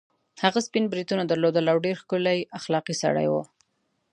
هغه سپین بریتونه درلودل او ډېر ښکلی اخلاقي سړی وو.